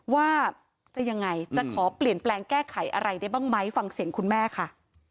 ว่าจะยังไงจะขอเปลี่ยนแปลงแก้ไขอะไรได้บ้างไหมฟังเสียงคุณแม่ค่ะ